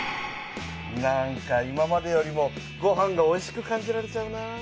なんか今までよりもごはんがおいしく感じられちゃうなあ。